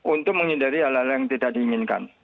untuk menghindari hal hal yang tidak diinginkan